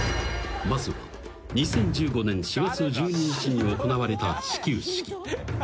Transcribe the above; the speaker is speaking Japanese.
［まずは２０１５年４月１２日に行われた始球式］